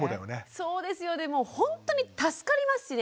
そうですよでもほんとに助かりますしね。